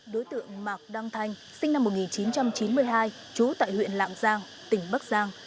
đối tượng mạc đăng thanh sinh năm một nghìn chín trăm chín mươi hai trú tại huyện lạng giang tỉnh bắc giang